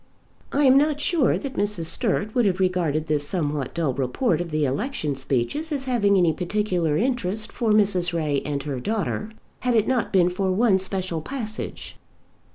I am not sure that Mrs. Sturt would have regarded this somewhat dull report of the election speeches as having any peculiar interest for Mrs. Ray and her daughter had it not been for one special passage.